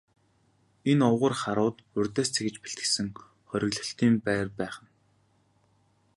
Энэ овгор харууд урьдаас зэхэж бэлтгэсэн хориглолтын байр байх нь.